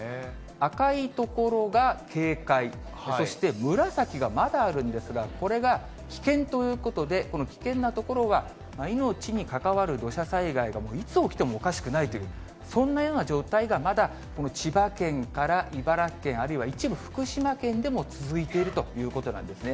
赤い所が警戒、そして紫がまだあるんですが、これが危険ということで、この危険な所は命にかかわる土砂災害がもういつ起きてもおかしくないという、そんなような状態がまだ、この千葉県から茨城県、あるいは一部福島県でも続いているということなんですね。